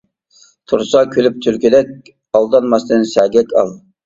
تۇرسا كۈلۈپ تۈلكىدەك، ئالدانماستىن سەگەك ئال.